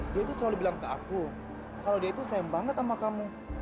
dia itu selalu bilang ke aku kalau dia itu sayang banget sama kamu